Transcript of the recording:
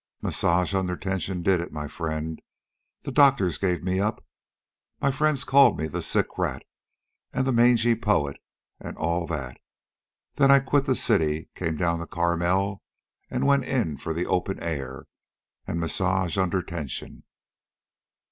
"Massage under tension did it, my friend. The doctors gave me up. My friends called me the sick rat, and the mangy poet, and all that. Then I quit the city, came down to Carmel, and went in for the open air and massage under tension."